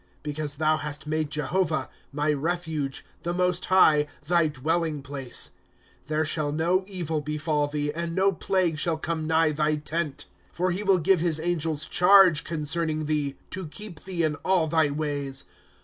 9 Because thou hast made Jehovah, — my refuge. The Most High, thy dwelling place ; 1" There shall no evil befall thee. And no plague shall come nigh thy tent. " For he will give his angels charge concerning thee, To keep thee in all thy ways.